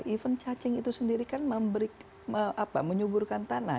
even cacing itu sendiri kan memberi apa menyuburkan tanah